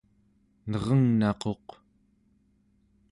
nerengnaquq